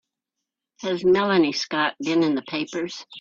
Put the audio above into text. Has Melanie Scott been in the papers?